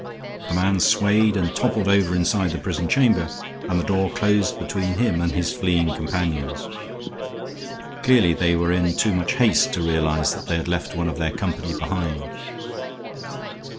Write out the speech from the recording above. The man swayed and toppled over inside the prison chamber, and the door closed between him and his fleeing companions. Clearly they were in too much haste to realize that they had left one of their company behind.